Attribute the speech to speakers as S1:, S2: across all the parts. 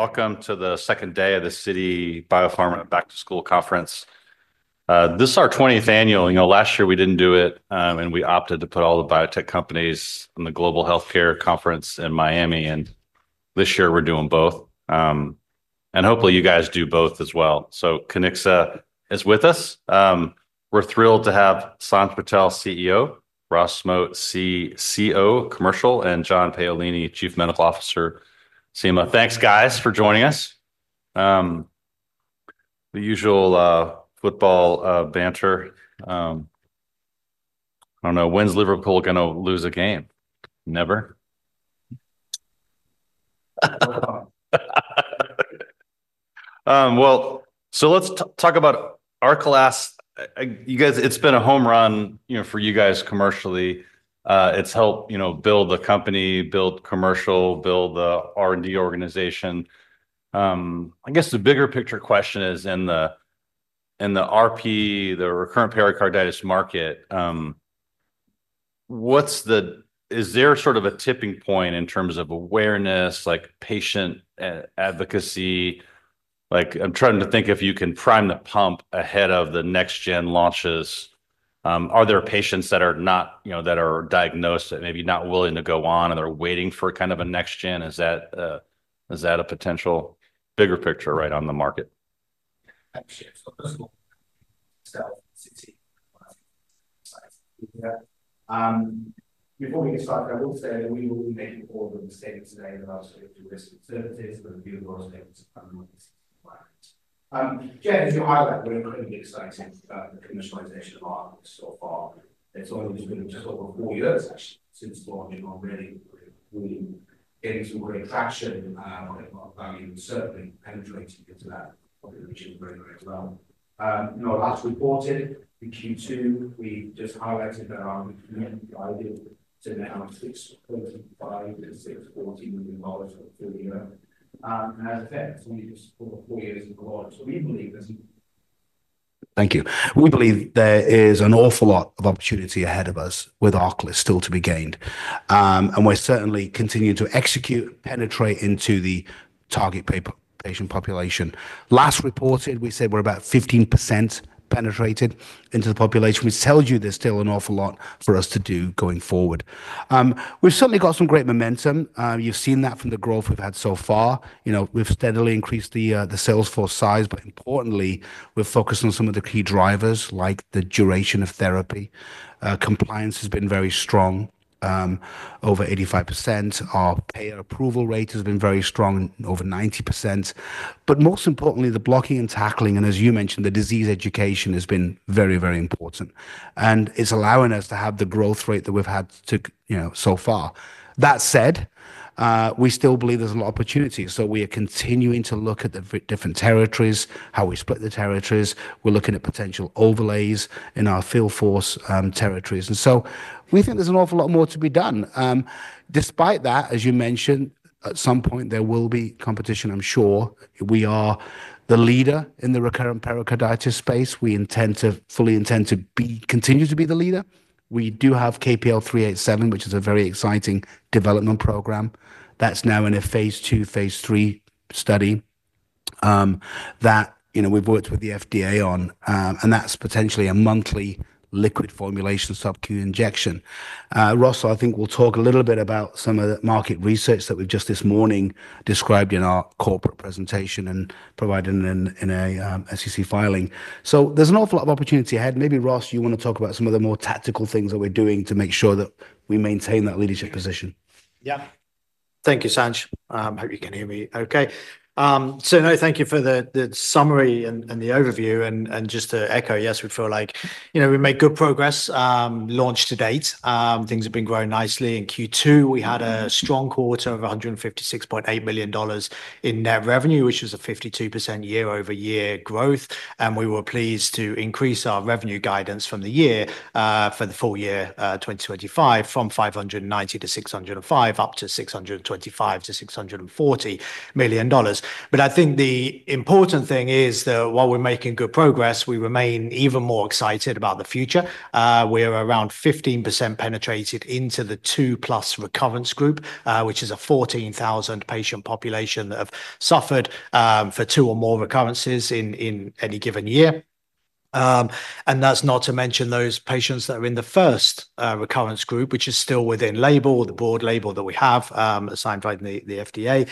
S1: Welcome to the second day of the Citi BioPharma Back to School Conference. This is our 20th annual. Last year we didn't do it, and we opted to put all the biotech companies in the Global Healthcare Conference in Miami. This year we're doing both, and hopefully you guys do both as well. Kiniksa is with us. We're thrilled to have Sanj Patel, CEO; Ross Moat, CCO, and John Paolini, Chief Medical Officer, CMO. Thanks guys for joining us. The usual, football, banter. I don't know, when's Liverpool going to lose a game? Never? Let's talk about ARCALYST. You guys, it's been a home run, you know, for you guys commercially. It's helped, you know, build the company, build commercial, build the R&D organization. I guess the bigger picture question is in the, in the RP, the recurrent pericarditis market. What's the, is there sort of a tipping point in terms of awareness, like patient advocacy? Like, I'm trying to think if you can prime the pump ahead of the next gen launches. Are there patients that are not, you know, that are diagnosed and maybe not willing to go on and they're waiting for kind of a next gen? Is that, is that a potential bigger picture right on the market?
S2: Before we get started, I will say that we will be making all of the mistakes today that I was hoping to risk facilitating, but it'll be a lot of things to come with this. The journey here in Ireland, we're incredibly excited about the commercialization of our software. It's only been a couple of more years, actually, since far, you know, I'm really, really getting to a greater traction in Ireland and what value we've certainly penetrated into that. Probably a little too great too great about. No, that's reported. We came to, we just highlighted that our ideal is to have six clinical providers to support $1 million for the year. As a fact, we just four years ago to really believe this.
S3: Thank you. We believe there is an awful lot of opportunity ahead of us with ARCALYST still to be gained. We're certainly continuing to execute, penetrate into the target patient population. Last reported, we said we're about 15% penetrated into the population. We say there's still an awful lot for us to do going forward. We've certainly got some great momentum. You've seen that from the growth we've had so far. We've steadily increased the sales force size, but importantly, we've focused on some of the key drivers like the duration of therapy. Compliance has been very strong, over 85%. Our payer approval rate has been very strong, over 90%. Most importantly, the blocking and tackling, and as you mentioned, the disease education has been very, very important. It's allowing us to have the growth rate that we've had so far. That said, we still believe there's a lot of opportunity. We are continuing to look at the different territories, how we split the territories. We're looking at potential overlays in our field force, territories. We think there's an awful lot more to be done. Despite that, as you mentioned, at some point there will be competition, I'm sure. We are the leader in the recurrent pericarditis space. We fully intend to continue to be the leader. We do have KPL-387, which is a very exciting development program that's now in a Phase II, Phase III study that we've worked with the FDA on, and that's potentially a monthly liquid formulation subcutaneous injection. Ross, I think we'll talk a little bit about some of the market research that we've just this morning described in our corporate presentation and provided in a SEC filing. There's an awful lot of opportunity ahead. Maybe Ross, you want to talk about some of the more tactical things that we're doing to make sure that we maintain that leadership position. Yeah.
S4: Thank you, Sanj. I hope you can hear me. Thank you for the summary and the overview. Just to echo, yes, we feel like we've made good progress, launch to date. Things have been growing nicely. In Q2, we had a strong quarter of $156.8 million in net revenue, which was a 52% year-over-year growth. We were pleased to increase our revenue guidance for the full year 2025 from $590 million- $605 million, up to $625 million- $640 million. I think the important thing is that while we're making good progress, we remain even more excited about the future. We're around 15% penetrated into the 2+ recurrence group, which is a 14,000 patient population that have suffered for two or more recurrences in any given year. That's not to mention those patients that are in the first recurrence group, which is still within label, the broad label that we have assigned by the FDA,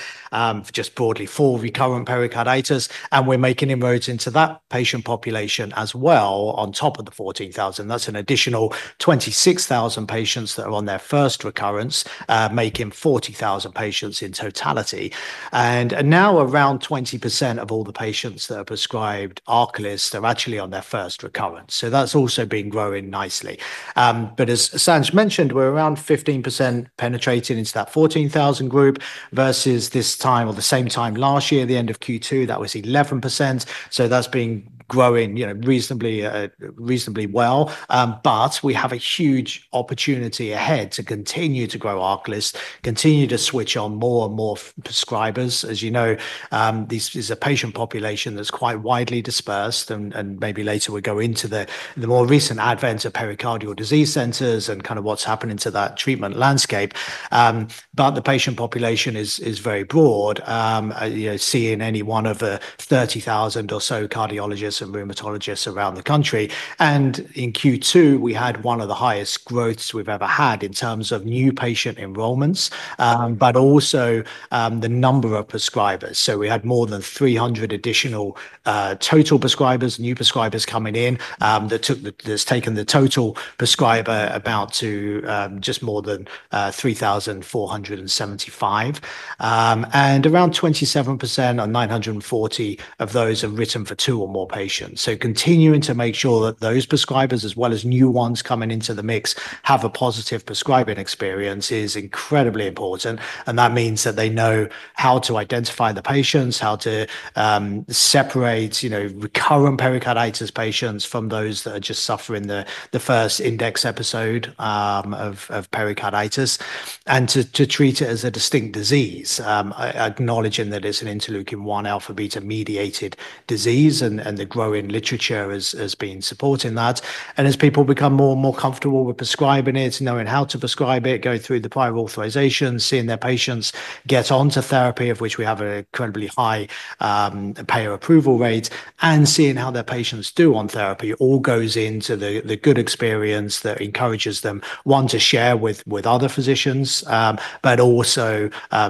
S4: just broadly for recurrent pericarditis. We're making inroads into that patient population as well on top of the 14,000. That's an additional 26,000 patients that are on their first recurrence, making 40,000 patients in totality. Now around 20% of all the patients that are prescribed ARCALYST are actually on their first recurrence. That's also been growing nicely. As Sanj mentioned, we're around 15% penetrated into that 14,000 group versus this time, or the same time last year, the end of Q2, that was 11%. That's been growing reasonably well. We have a huge opportunity ahead to continue to grow ARCALYST, continue to switch on more and more prescribers. As you know, this is a patient population that's quite widely dispersed, and maybe later we go into the more recent advent of pericardial disease centers and kind of what's happening to that treatment landscape. The patient population is very broad, seeing any one of the 30,000 or so cardiologists and rheumatologists around the country. In Q2, we had one of the highest growths we've ever had in terms of new patient enrollments, but also the number of prescribers. We had more than 300 additional total prescribers, new prescribers coming in. That's taken the total prescriber count to just more than 3,475. Around 27% or 940 of those are written for two or more patients. Continuing to make sure that those prescribers, as well as new ones coming into the mix, have a positive prescribing experience is incredibly important. That means that they know how to identify the patients, how to separate, you know, recurrent pericarditis patients from those that are just suffering the first index episode of pericarditis, and to treat it as a distinct disease, acknowledging that it's an interleukin-1α/β–mediated disease, and the growing literature has been supporting that. As people become more and more comfortable with prescribing it, knowing how to prescribe it, going through the prior authorization, seeing their patients get onto therapy, of which we have an incredibly high payer approval rate, and seeing how their patients do on therapy, all goes into the good experience that encourages them, one, to share with other physicians, but also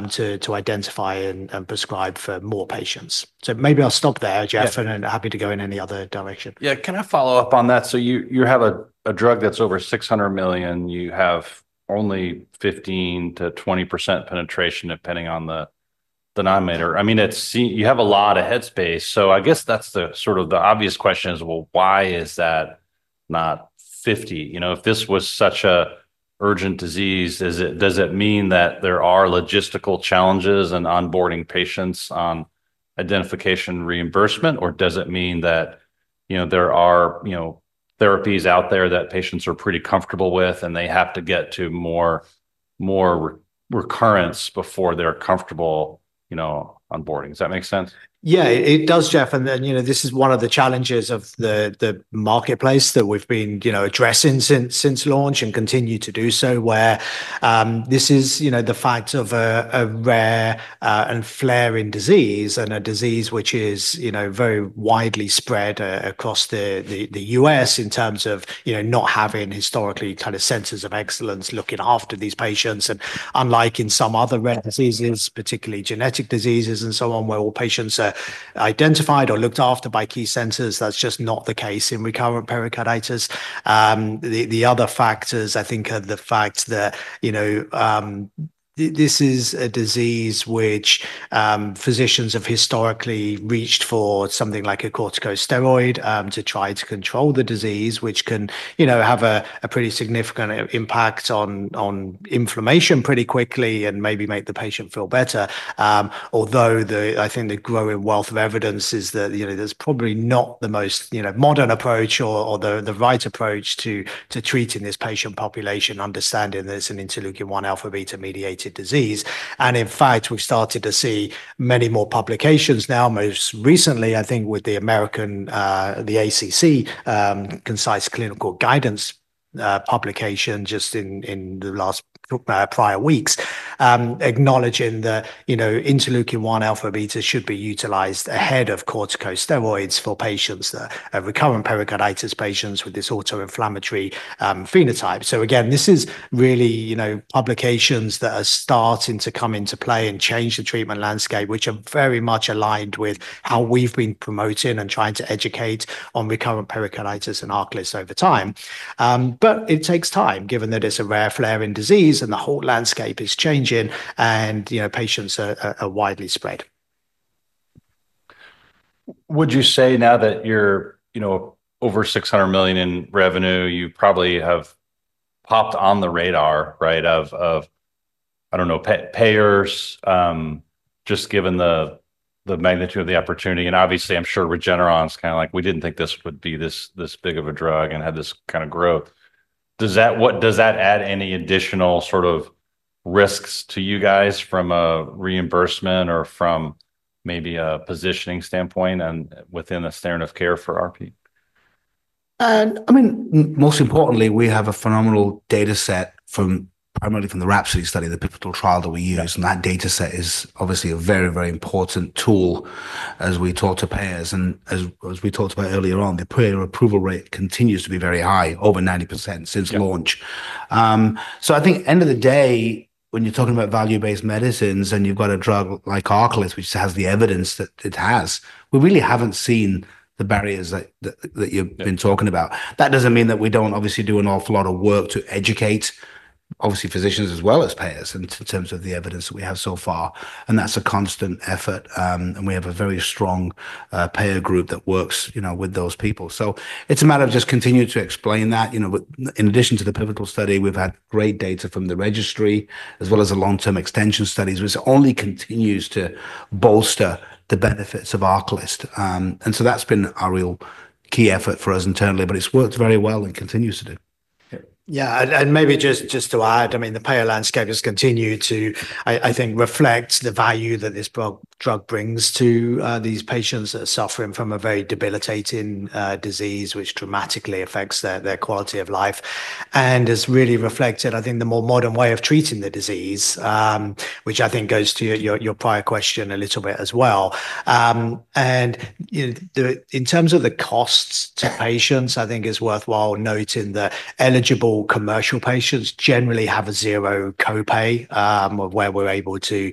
S4: to identify and prescribe for more patients. Maybe I'll stop there, Jeff, and I'm happy to go in any other direction.
S1: Can I follow up on that? You have a drug that's over $600 million. You have only 15%- 20% penetration depending on the denominator. I mean, you have a lot of headspace. I guess that's the obvious question: why is that not 50%? If this was such an urgent disease, does it mean that there are logistical challenges in onboarding patients, on identification, reimbursement? Or does it mean that there are therapies out there that patients are pretty comfortable with and they have to get to more recurrence before they're comfortable onboarding? Does that make sense?
S4: Yeah, it does, Jeff. This is one of the challenges of the marketplace that we've been addressing since launch and continue to do so, where this is the fact of a rare and flaring disease and a disease which is very widely spread across the U.S. in terms of not having historically kind of centers of excellence looking after these patients. Unlike in some other rare diseases, particularly genetic diseases and so on, where all patients are identified or looked after by key centers, that's just not the case in recurrent pericarditis. The other factors, I think, are the fact that this is a disease which physicians have historically reached for something like a corticosteroid to try to control the disease, which can have a pretty significant impact on inflammation pretty quickly and maybe make the patient feel better. Although, I think the growing wealth of evidence is that there's probably not the most modern approach or the right approach to treating this patient population, understanding that it's an interleukin-1α/β–mediated disease mediated disease. In fact, we've started to see many more publications now, most recently, I think, with the ACC Concise Clinical Guidance publication just in the last prior weeks, acknowledging that interleukin-1α/β should be utilized ahead of corticosteroids for patients that have recurrent pericarditis, patients with this autoinflammatory phenotype. This is really publications that are starting to come into play and change the treatment landscape, which are very much aligned with how we've been promoting and trying to educate on recurrent pericarditis and ARCALYST over time. It takes time, given that it's a rare flaring disease and the whole landscape is changing and patients are widely spread.
S1: Would you say now that you're, you know, over $600 million in revenue, you probably have popped on the radar, right, of, I don't know, payers, just given the magnitude of the opportunity. Obviously, I'm sure Regeneron is kind of like, we didn't think this would be this big of a drug and had this kind of growth. Does that add any additional sort of risks to you guys from a reimbursement or from maybe a positioning standpoint within the standard of care for RP?
S3: I mean, most importantly, we have a phenomenal data set primarily from the RHAPSODY study, the pivotal trial that we use. That data set is obviously a very, very important tool as we talk to payers. As we talked about earlier on, the payer approval rate continues to be very high, over 90% since launch. I think at the end of the day, when you're talking about value-based medicines and you've got a drug like ARCALYST, which has the evidence that it has, we really haven't seen the barriers that you've been talking about. That doesn't mean that we don't do an awful lot of work to educate physicians as well as payers in terms of the evidence that we have so far. That's a constant effort. We have a very strong payer group that works with those people. It's a matter of just continuing to explain that, in addition to the pivotal study, we've had great data from the registry as well as the long-term extension studies, which only continues to bolster the benefits of ARCALYST. That's been our real key effort for us internally, but it's worked very well and continues to do.
S4: Yeah, and maybe just to add, I mean, the payer landscape has continued to, I think, reflect the value that this drug brings to these patients that are suffering from a very debilitating disease, which dramatically affects their quality of life. It's really reflected, I think, the more modern way of treating the disease, which I think goes to your prior question a little bit as well. In terms of the costs to patients, I think it's worthwhile noting that eligible commercial patients generally have a zero copay, where we're able to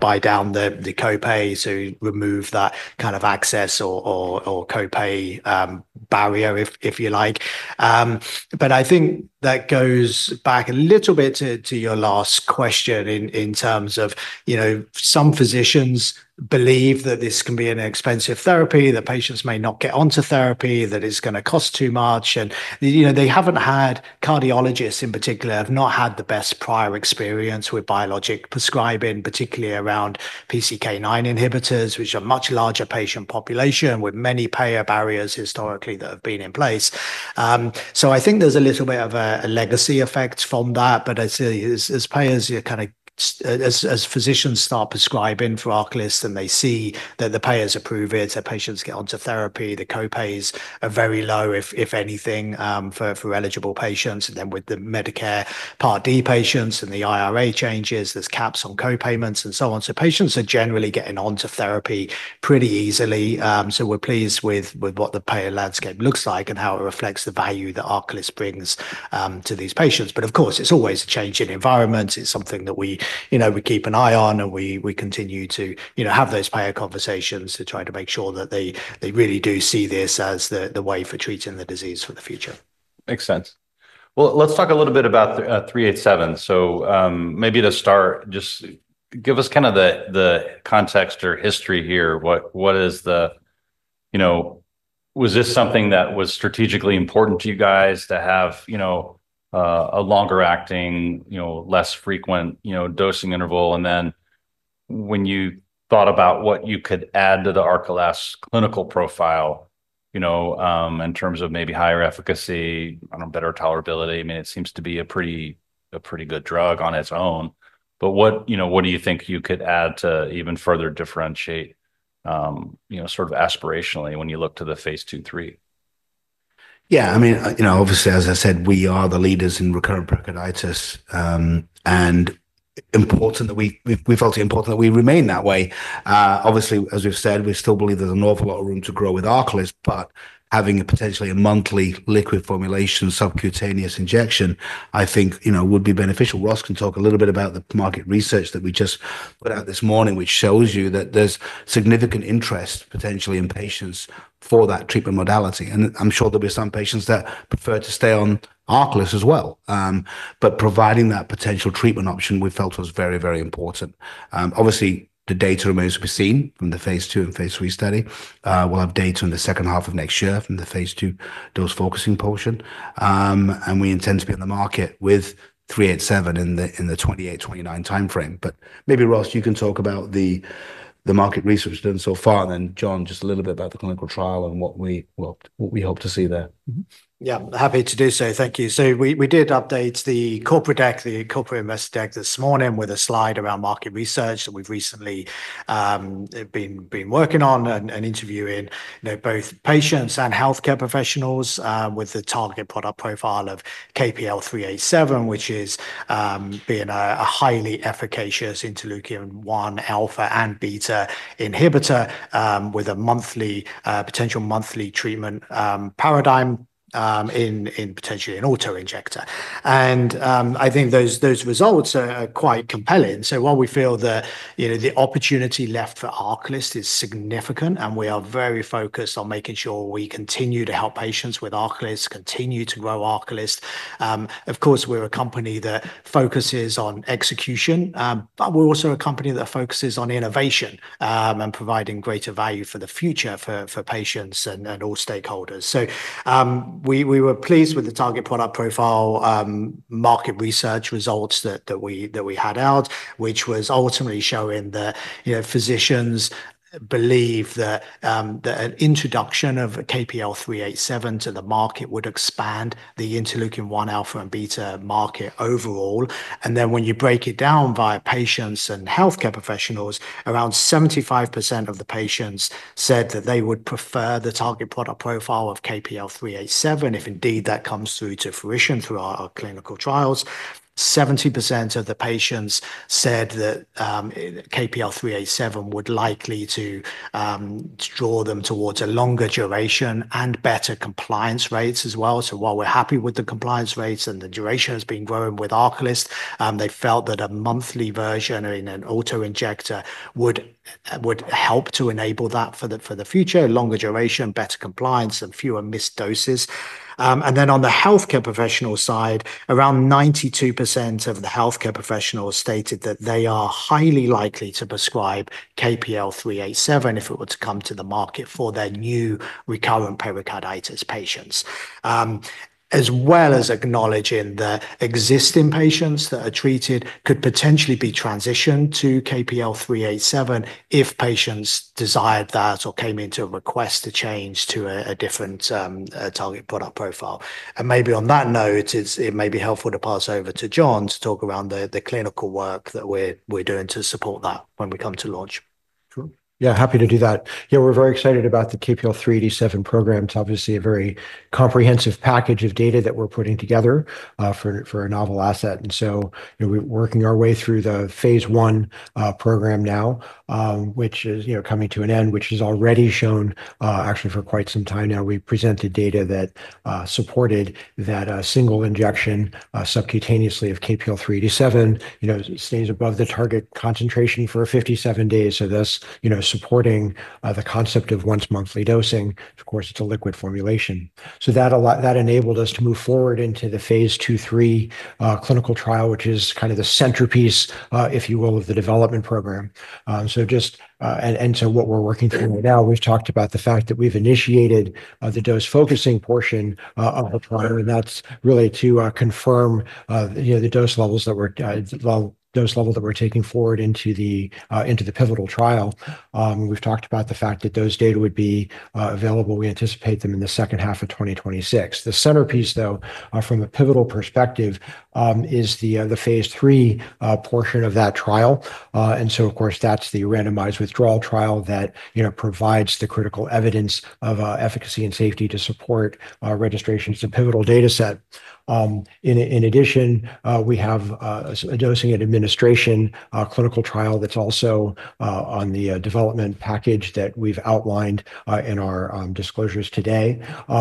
S4: buy down the copay to remove that kind of access or copay barrier, if you like. I think that goes back a little bit to your last question in terms of, you know, some physicians believe that this can be an expensive therapy, that patients may not get onto therapy, that it's going to cost too much. They haven't had, cardiologists in particular, have not had the best prior experience with biologic prescribing, particularly around PCSK9 inhibitors, which are a much larger patient population with many payer barriers historically that have been in place. I think there's a little bit of a legacy effect from that. As physicians start prescribing for ARCALYST and they see that the payers approve it, that patients get onto therapy, the copays are very low, if anything, for eligible patients. With the Medicare Part D patients and the IRA changes, there's caps on co-payments and so on. Patients are generally getting onto therapy pretty easily. We're pleased with what the payer landscape looks like and how it reflects the value that ARCALYST brings to these patients. Of course, it's always a changing environment. It's something that we keep an eye on and we continue to have those payer conversations to try to make sure that they really do see this as the way for treating the disease for the future.
S1: Makes sense. Let's talk a little bit about KPL-387. Maybe to start, just give us the context or history here. Was this something that was strategically important to you guys to have a longer-acting, less frequent dosing interval? When you thought about what you could add to the ARCALYST clinical profile, in terms of maybe higher efficacy, better tolerability, it seems to be a pretty good drug on its own. What do you think you could add to even further differentiate, sort of aspirationally, when you look to the phase two, three?
S3: Yeah, I mean, you know, obviously, as I said, we are the leaders in recurrent pericarditis, and it's important that we felt it's important that we remain that way. Obviously, as we've said, we still believe there's an awful lot of room to grow with ARCALYST, but having potentially a monthly liquid formulation subcutaneous injection, I think, you know, would be beneficial. Ross can talk a little bit about the market research that we just put out this morning, which shows you that there's significant interest potentially in patients for that treatment modality. I'm sure there'll be some patients that prefer to stay on ARCALYST as well, but providing that potential treatment option, we felt was very, very important. Obviously, the data remains to be seen from the phase II and phase III study. We'll have data in the second half of next year from the phase two, dose focusing portion, and we intend to be in the market with KPL-387 in the 2028-2029 timeframe. Maybe Ross, you can talk about the market research done so far, and then John, just a little bit about the clinical trial and what we hope to see there.
S4: Yeah, happy to do so. Thank you. We did update the corporate deck, the corporate investor deck this morning with a slide around market research that we've recently been working on and interviewing both patients and healthcare professionals with the target product profile of KPL-387, which is being a highly efficacious interleukin-1α/β inhibitor with a potential monthly treatment paradigm in potentially an auto injector. I think those results are quite compelling. We feel that the opportunity left for ARCALYST is significant, and we are very focused on making sure we continue to help patients with ARCALYST, continue to grow ARCALYST. Of course, we're a company that focuses on execution, but we're also a company that focuses on innovation and providing greater value for the future for patients and all stakeholders. We were pleased with the target product profile market research results that we had out, which was ultimately showing that physicians believe that an introduction of KPL-387 to the market would expand the interleukin-1α/β market overall. When you break it down via patients and healthcare professionals, around 75% of the patients said that they would prefer the target product profile of KPL-387 if indeed that comes through to fruition through our clinical trials. 70% of the patients said that KPL-387 would likely draw them towards a longer duration and better compliance rates as well. We're happy with the compliance rates and the duration has been growing with ARCALYST; they felt that a monthly version in an auto injector would help to enable that for the future, longer duration, better compliance, and fewer missed doses. On the healthcare professional side, around 92% of the healthcare professionals stated that they are highly likely to prescribe KPL-387 if it were to come to the market for their new recurrent pericarditis patients, as well as acknowledging that existing patients that are treated could potentially be transitioned to KPL-387 if patients desired that or came in to request a change to a different target product profile. Maybe on that note, it may be helpful to pass over to John to talk around the clinical work that we're doing to support that when we come to launch.
S5: Sure. Yeah, happy to do that. Yeah, we're very excited about the KPL-387 program. It's obviously a very comprehensive package of data that we're putting together for a novel asset. We're working our way through the phase one program now, which is coming to an end, which has already shown, actually for quite some time now, we presented data that supported that single injection, subcutaneously, of KPL-387 stays above the target concentration for 57 days. This supports the concept of once monthly dosing. Of course, it's a liquid formulation, so that enabled us to move forward into the phase two/three clinical trial, which is kind of the centerpiece, if you will, of the development program. What we're working through right now, we've talked about the fact that we've initiated the dose focusing portion of the trial, and that's really to confirm the dose level that we're taking forward into the pivotal trial. We've talked about the fact that those data would be available. We anticipate them in the second half of 2026. The centerpiece, from a pivotal perspective, is the phase three portion of that trial. Of course, that's the randomized withdrawal trial that provides the critical evidence of efficacy and safety to support registrations to pivotal data set. In addition, we have a dosing and administration clinical trial that's also on the development package that we've outlined in our disclosures today,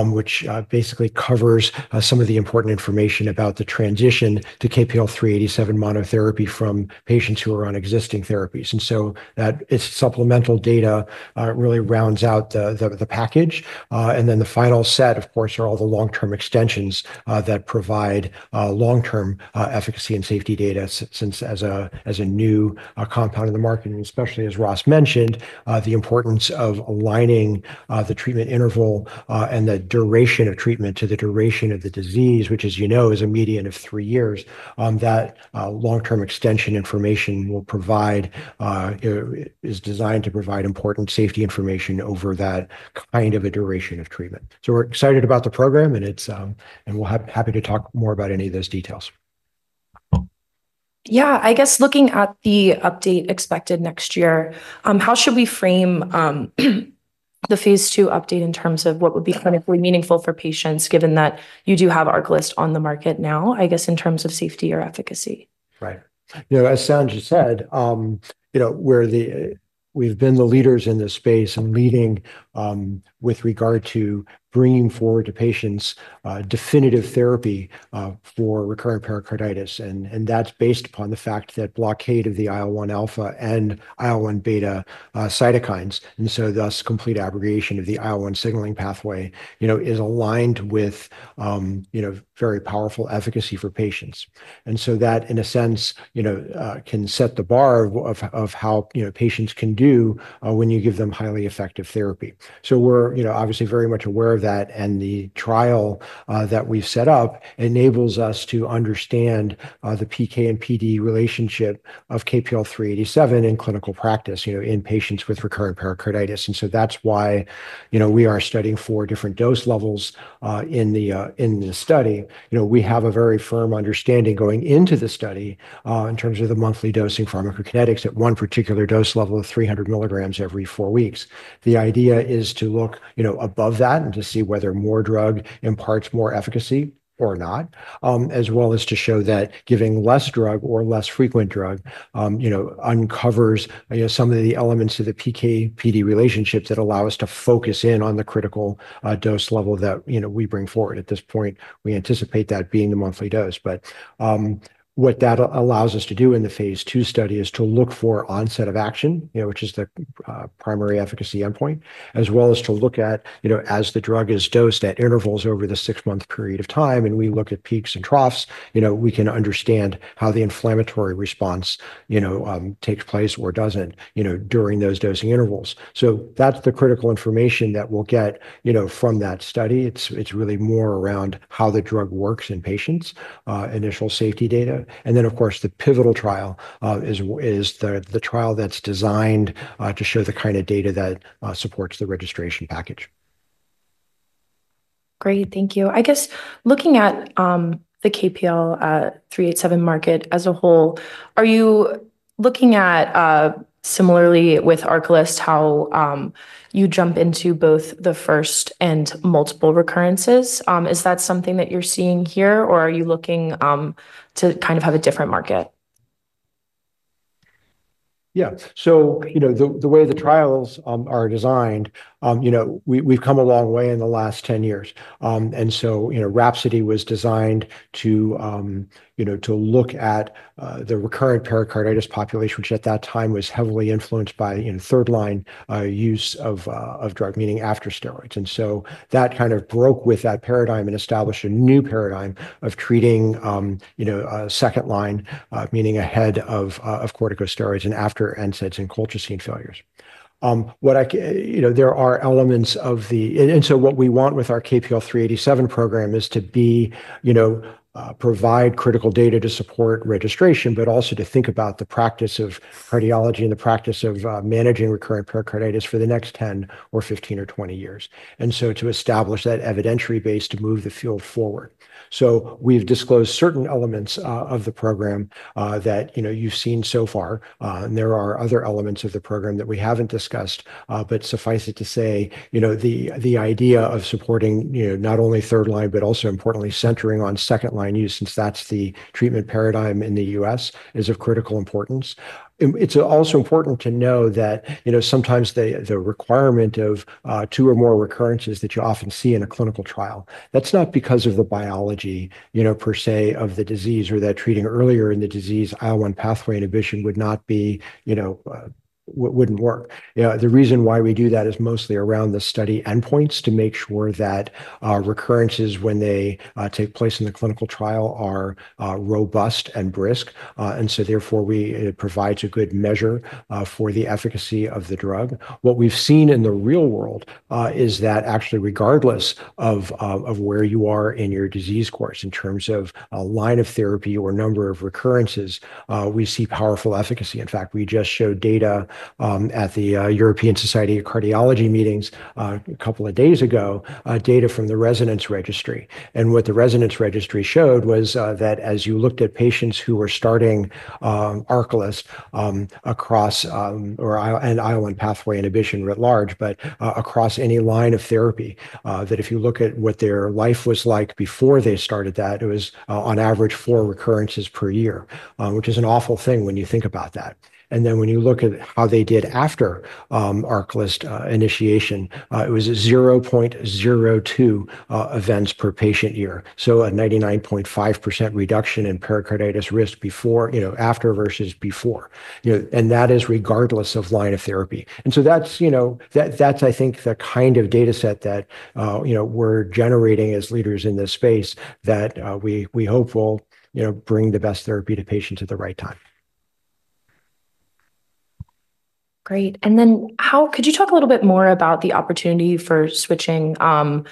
S5: which basically covers some of the important information about the transition to KPL-387 monotherapy from patients who are on existing therapies. That supplemental data really rounds out the package. The final set, of course, are all the long-term extensions that provide long-term efficacy and safety data since, as a new compound in the market, and especially, as Ross mentioned, the importance of aligning the treatment interval and the duration of treatment to the duration of the disease, which, as you know, is a median of three years, that long-term extension information is designed to provide important safety information over that kind of a duration of treatment. We're excited about the program, and we're happy to talk more about any of those details.
S2: Yeah, I guess looking at the update expected next year, how should we frame the phase two update in terms of what would be clinically meaningful for patients, given that you do have ARCALYST on the market now, I guess, in terms of safety or efficacy?
S5: Right. Yeah, as Sanj said, we've been the leaders in this space and leading with regard to bringing forward to patients definitive therapy for recurrent pericarditis. That's based upon the fact that blockade of the IL-1α and IL-1β cytokines, and thus complete abrogation of the IL-1 signaling pathway, is aligned with very powerful efficacy for patients. That, in a sense, can set the bar of how patients can do when you give them highly effective therapy. We're obviously very much aware of that. The trial that we've set up enables us to understand the PK/PD relationship of KPL-387 in clinical practice in patients with recurrent pericarditis. That's why we are studying four different dose levels in this study. We have a very firm understanding going into the study in terms of the monthly dosing pharmacokinetics at one particular dose level of 300 mg every four weeks. The idea is to look above that and to see whether more drug imparts more efficacy or not, as well as to show that giving less drug or less frequent drug uncovers some of the elements of the PK/PD relationship that allow us to focus in on the critical dose level that we bring forward. At this point, we anticipate that being the monthly dose. What that allows us to do in the phase two study is to look for onset of action, which is the primary efficacy endpoint, as well as to look at, as the drug is dosed at intervals over the six-month period of time, and we look at peaks and troughs, we can understand how the inflammatory response takes place or doesn't during those dosing intervals. That's the critical information that we'll get from that study. It's really more around how the drug works in patients, initial safety data. Of course, the pivotal trial is the trial that's designed to show the kind of data that supports the registration package.
S2: Great, thank you. I guess looking at the KPL-387 market as a whole, are you looking at, similarly with ARCALYST, how you jump into both the first and multiple recurrences? Is that something that you're seeing here, or are you looking to kind of have a different market?
S5: Yeah, so, you know, the way the trials are designed, you know, we've come a long way in the last 10 years. RHAPSODY was designed to, you know, to look at the recurrent pericarditis population, which at that time was heavily influenced by third-line use of drug, meaning after steroids. That kind of broke with that paradigm and established a new paradigm of treating a second line, meaning ahead of corticosteroids and after NSAIDs and colchicine failures. What I, you know, there are elements of the, and what we want with our KPL-387 program is to be, you know, provide critical data to support registration, but also to think about the practice of cardiology and the practice of managing recurrent pericarditis for the next 10 years or 15 years or 20 years, and to establish that evidentiary base to move the field forward. We've disclosed certain elements of the program that you've seen so far. There are other elements of the program that we haven't discussed, but suffice it to say, the idea of supporting not only third line, but also importantly centering on second line use, since that's the treatment paradigm in the U.S., is of critical importance. It's also important to know that sometimes the requirement of two or more recurrences that you often see in a clinical trial, that's not because of the biology per se of the disease or that treating earlier in the disease, IL-1 pathway inhibition would not work. The reason why we do that is mostly around the study endpoints to make sure that recurrences, when they take place in the clinical trial, are robust and brisk, and therefore it provides a good measure for the efficacy of the drug. What we've seen in the real world is that actually, regardless of where you are in your disease course in terms of a line of therapy or number of recurrences, we see powerful efficacy. In fact, we just showed data at the European Society of Cardiology meetings a couple of days ago, data from the residents' registry. What the residents' registry showed was that as you looked at patients who were starting ARCALYST, or IL-1 pathway inhibition at large, but across any line of therapy, if you look at what their life was like before they started that, it was on average four recurrences per year, which is an awful thing when you think about that. When you look at how they did after ARCALYST initiation, it was 0.02 events per patient year. That is a 99.5% reduction in pericarditis risk after versus before. That is regardless of line of therapy. I think the kind of data set that we're generating as leaders in this space, we hope will bring the best therapy to patients at the right time.
S2: Great. Could you talk a little bit more about the opportunity for switching from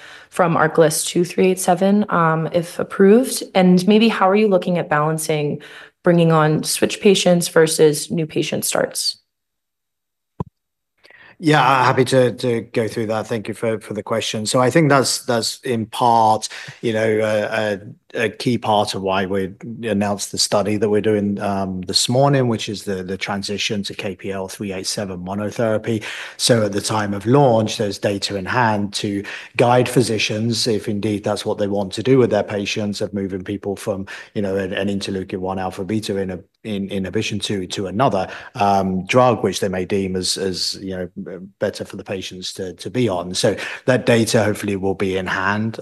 S2: ARCALYST to KPL-387, if approved? Maybe how are you looking at balancing bringing on switch patients versus new patient starts?
S3: Yeah, happy to go through that. Thank you for the question. I think that's, that's in part, you know, a key part of why we announced the study that we're doing this morning, which is the transition to KPL-387 monotherapy. At the time of launch, there's data in hand to guide physicians if indeed that's what they want to do with their patients of moving people from, you know, an interleukin-1 alpha-beta inhibition to another drug, which they may deem as, as, you know, better for the patients to be on. That data hopefully will be in hand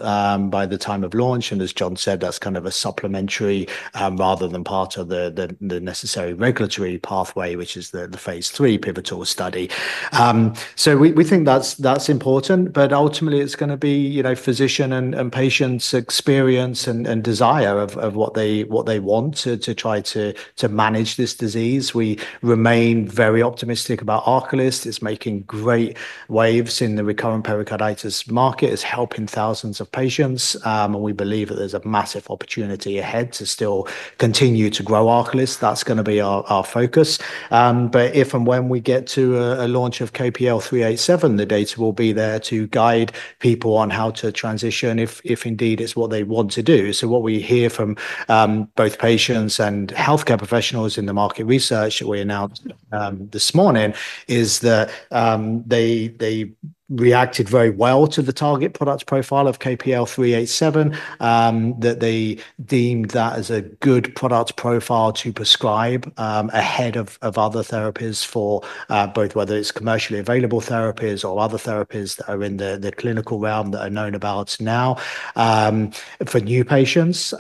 S3: by the time of launch. As John said, that's kind of a supplementary, rather than part of the necessary regulatory pathway, which is the Phase III pivotal study. We think that's important, but ultimately it's going to be, you know, physician and patients' experience and desire of what they want to try to manage this disease. We remain very optimistic about ARCALYST. It's making great waves in the recurrent pericarditis market. It's helping thousands of patients, and we believe that there's a massive opportunity ahead to still continue to grow ARCALYST. That's going to be our focus. If and when we get to a launch of KPL-387, the data will be there to guide people on how to transition if indeed it's what they want to do. What we hear from both patients and healthcare professionals in the market research that we announced this morning is that they reacted very well to the target product profile of KPL-387, that they deemed that as a good product profile to prescribe, ahead of other therapies for both whether it's commercially available therapies or other therapies that are in the clinical realm that are known about now, for new patients,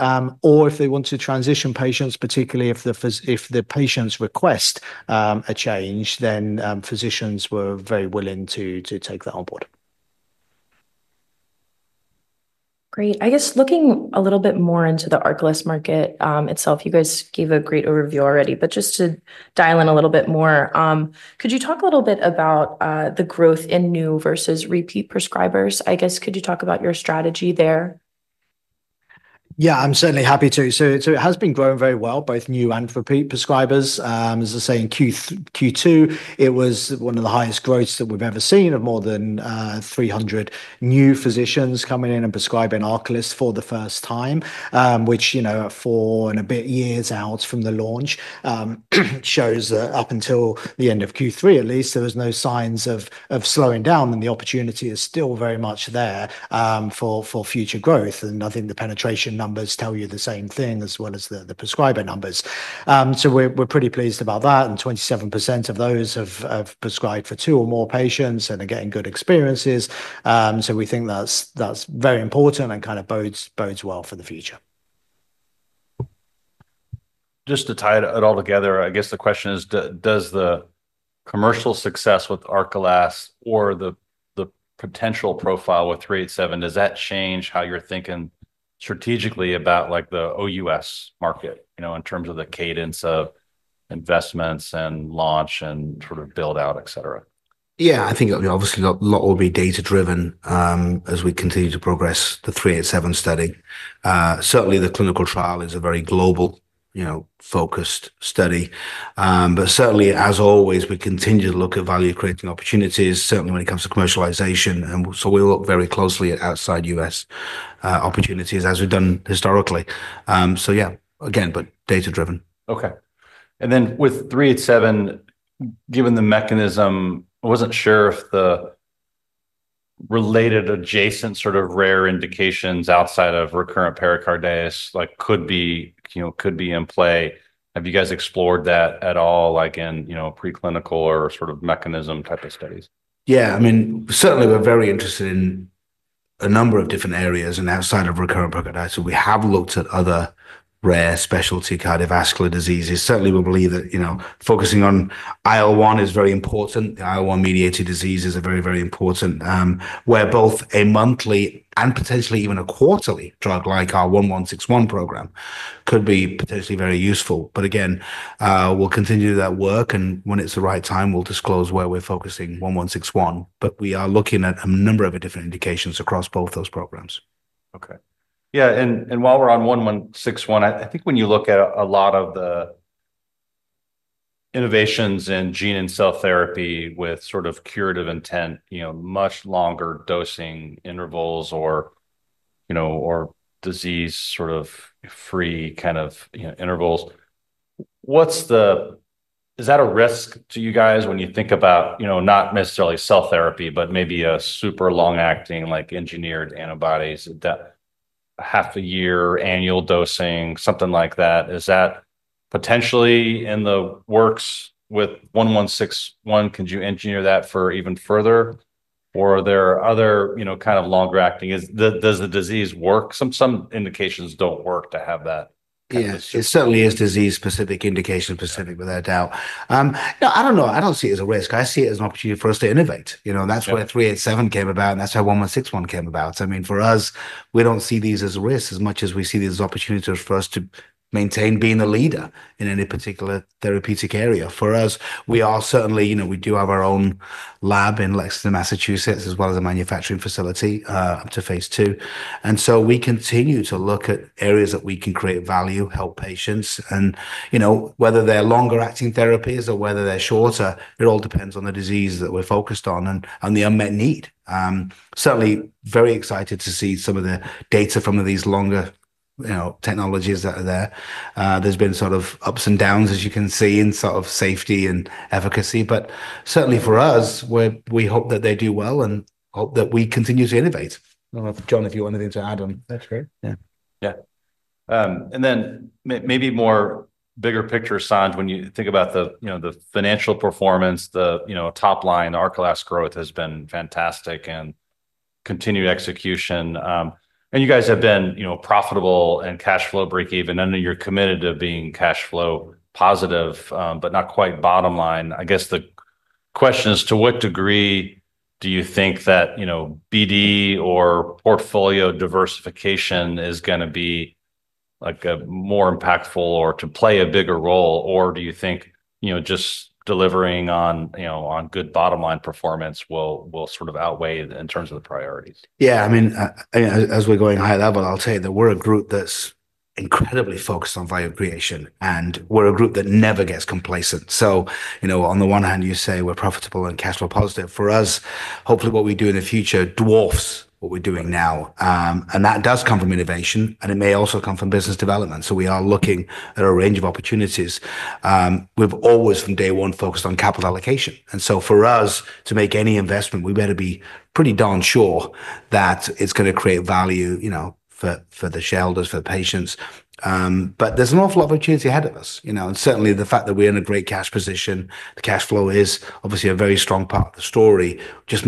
S3: or if they want to transition patients, particularly if the patients request a change, then physicians were very willing to take that on board.
S2: Great. I guess looking a little bit more into the ARCALYST market itself, you guys gave a great overview already, but just to dial in a little bit more, could you talk a little bit about the growth in new versus repeat prescribers? I guess could you talk about your strategy there?
S3: Yeah, I'm certainly happy to. It has been growing very well, both new and repeat prescribers. As I say, in Q2, it was one of the highest growths that we've ever seen of more than 300 new physicians coming in and prescribing ARCALYST for the first time, which, you know, are four and a bit years out from the launch, shows that up until the end of Q3, at least, there were no signs of slowing down, and the opportunity is still very much there for future growth. I think the penetration numbers tell you the same thing as well as the prescriber numbers, so we're pretty pleased about that. 27% of those have prescribed for two or more patients, and they're getting good experiences, so we think that's very important and kind of bodes well for the future.
S1: Just to tie it all together, I guess the question is, does the commercial success with ARCALYST or the potential profile with KPL-387, does that change how you're thinking strategically about the OUS market, in terms of the cadence of investments and launch and sort of build out, et cetera?
S3: Yeah, I think obviously a lot will be data-driven, as we continue to progress the 387 study. Certainly the clinical trial is a very global, you know, focused study. Certainly, as always, we continue to look at value-creating opportunities, certainly when it comes to commercialization. We look very closely at outside U.S. opportunities as we've done historically. Yeah, again, but data-driven.
S1: Okay. With 387, given the mechanism, I wasn't sure if the related adjacent sort of rare indications outside of recurrent pericarditis could be in play. Have you guys explored that at all, like in preclinical or sort of mechanism type of studies?
S3: Yeah, I mean, certainly we're very interested in a number of different areas outside of recurrent pericarditis. We have looked at other rare specialty cardiovascular diseases. Certainly, we believe that focusing on IL-1 is very important. IL-1 mediated disease is very, very important, where both a monthly and potentially even a quarterly drug like our 1161 program could be potentially very useful. We'll continue that work, and when it's the right time, we'll disclose where we're focusing 1161. We are looking at a number of different indications across both those programs.
S1: Okay. Yeah. While we're on 1161, I think when you look at a lot of the innovations in gene and cell therapy with sort of curative intent, much longer dosing intervals or disease sort of free kind of intervals. Is that a risk to you guys when you think about, not necessarily cell therapy, but maybe a super long-acting like engineered antibodies that have half a year or annual dosing, something like that? Is that potentially in the works with 1161? Could you engineer that for even further? Are there other kind of longer acting? Does the disease work? Some indications don't work to have that.
S3: Yes, it certainly is disease-specific, indication-specific without doubt. No, I don't know. I don't see it as a risk. I see it as an opportunity for us to innovate. That's where 387 came about, and that's how 1161 came about. For us, we don't see these as a risk as much as we see these as opportunities for us to maintain being a leader in any particular therapeutic area. For us, we are certainly, you know, we do have our own lab in Lexington, MA, as well as a manufacturing facility, up to Phase 2. We continue to look at areas that we can create value, help patients, and, you know, whether they're longer-acting therapies or whether they're shorter, it all depends on the disease that we're focused on and on the unmet need. Certainly very excited to see some of the data from these longer, you know, technologies that are there. There's been sort of ups and downs, as you can see, in sort of safety and efficacy. Certainly for us, we hope that they do well and hope that we continue to innovate.
S1: I don't know, John, if you want anything to add on. Yeah. Maybe more bigger picture signs, when you think about the financial performance, the top line ARCALYST growth has been fantastic and continued execution. You guys have been profitable and cash flow breakeven. I know you're committed to being cash flow positive, but not quite bottom line. I guess the question is, to what degree do you think that BD or portfolio diversification is going to be a more impactful or play a bigger role? Do you think just delivering on good bottom line performance will sort of outweigh in terms of the priorities?
S3: Yeah, I mean, as we're going high level, I'll tell you that we're a group that's incredibly focused on value creation. We're a group that never gets complacent. On the one hand, you say we're profitable and cash flow positive. For us, hopefully what we do in the future dwarfs what we're doing now. That does come from innovation, and it may also come from business development. We are looking at a range of opportunities. We've always from day one focused on capital allocation. For us to make any investment, we better be pretty darn sure that it's going to create value, you know, for the shareholders, for patients. There's an awful lot of opportunity ahead of us, and certainly the fact that we're in a great cash position, cash flow is obviously a very strong part of the story, just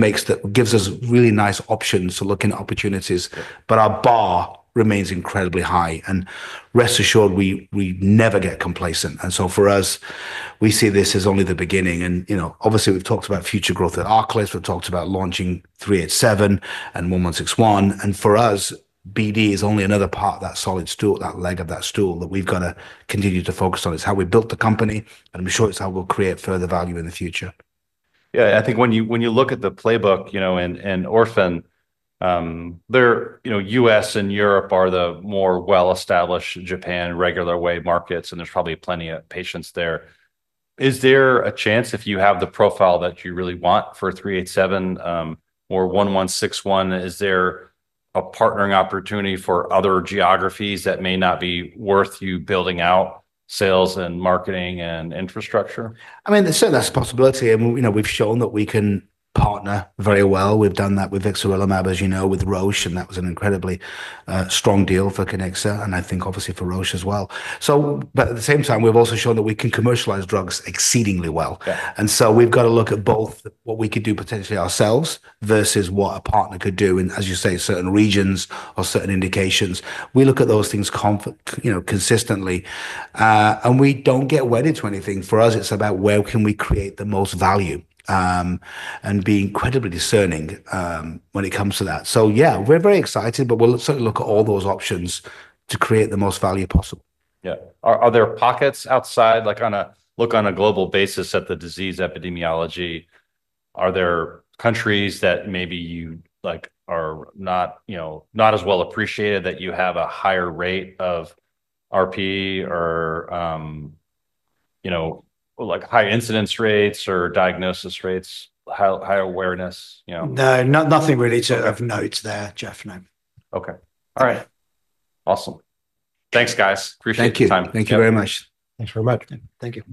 S3: gives us really nice options to look into opportunities. Our bar remains incredibly high and rest assured we never get complacent. For us, we see this as only the beginning. Obviously we've talked about future growth at ARCALYST. We've talked about launching KPL-387 and KPL-1161. For us, BD is only another part of that solid stool, that leg of that stool that we've got to continue to focus on. It's how we built the company, and I'm sure it's how we'll create further value in the future.
S1: I think when you look at the playbook, you know, in orphan, the U.S. and Europe are the more well-established, Japan regular way markets, and there's probably plenty of patients there. Is there a chance if you have the profile that you really want for 387 or 1161, is there a partnering opportunity for other geographies that may not be worth you building out sales and marketing and infrastructure?
S3: I mean, that's certainly a possibility. You know, we've shown that we can partner very well. We've done that with Vixarelimab, as you know, with Roche, and that was an incredibly strong deal for Kiniksa, and I think obviously for Roche as well. At the same time, we've also shown that we can commercialize drugs exceedingly well. We've got to look at both what we could do potentially ourselves versus what a partner could do in, as you say, certain regions or certain indications. We look at those things consistently, and we don't get wedded to anything. For us, it's about where can we create the most value and be incredibly discerning when it comes to that. Yeah, we're very excited, but we'll certainly look at all those options to create the most value possible.
S1: Yeah. Are there pockets outside, like on a global basis at the disease epidemiology? Are there countries that maybe you are not, you know, not as well appreciated that you have a higher rate of RP or, you know, like high incidence rates or diagnosis rates, higher awareness, you know?
S3: No, nothing really to note there, Jeff, no.
S1: Okay. All right. Awesome. Thanks, guys. Appreciate your time.
S3: Thank you. Thank you very much.
S5: Thank you very much. Thank you.